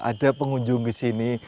ada pengunjung ke sini